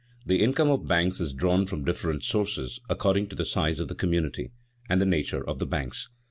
_ The income of banks is drawn from different sources, according to the size of the community, and the nature of the banks.